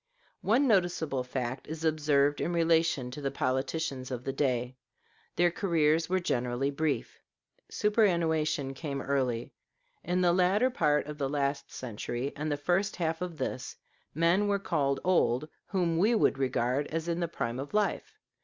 One noticeable fact is observed in relation to the politicians of the day their careers were generally brief. Superannuation came early. In the latter part of the last century and the first half of this, men were called old whom we should regard as in the prime of life.